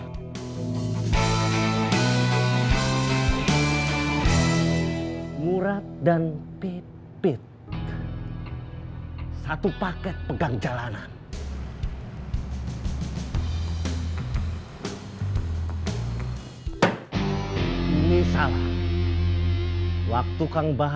separuh ternyata memang kira kira keseluruhan perbetulan pardon dan pertolongan kepada trus sayangnya